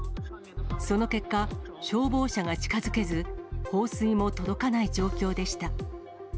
その結果、消防車が近づけず、放水も届かない状況でした。